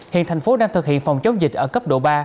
hiện thành phố đang thực hiện phòng chống dịch ở cấp độ ba